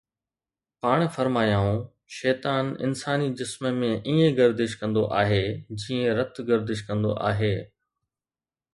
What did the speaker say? پاڻ فرمايائون: شيطان انساني جسم ۾ ائين گردش ڪندو آهي جيئن رت گردش ڪندو آهي